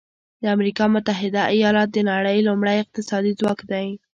د امریکا متحده ایالات د نړۍ لومړی اقتصادي ځواک دی.